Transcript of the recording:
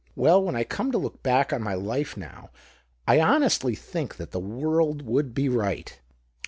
Well, when I come to look back on my life now, I honestly think that the world would be right."